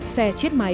xe chết máy